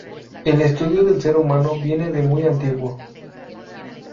El estudio del ser humano viene de muy antiguo.